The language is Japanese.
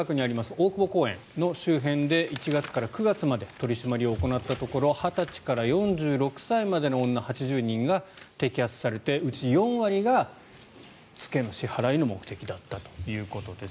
大久保公園の周辺で１月から９月まで取り締まりを行ったところ２０歳から４６歳までの女８０人が摘発されてうち４割が付けの支払いの目的だったということです。